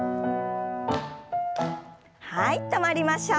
はい止まりましょう。